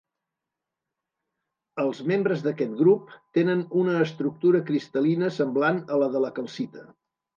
Els membres d'aquest grup tenen una estructura cristal·lina semblant a la de la calcita.